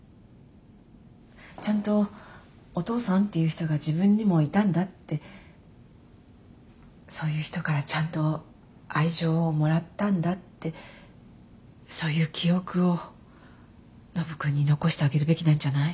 ちゃんとお父さんっていう人が自分にもいたんだってそういう人からちゃんと愛情をもらったんだってそういう記憶をノブ君に残してあげるべきなんじゃない？